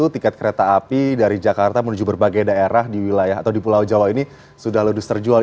tiket kereta api dari jakarta menuju berbagai daerah di wilayah atau di pulau jawa ini sudah ludes terjual